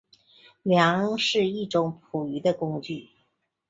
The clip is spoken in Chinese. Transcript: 梁是一种捕鱼的工具。